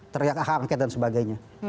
teriak ahangket dan sebagainya